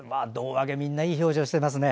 胴上げ、みんないい表情していますね。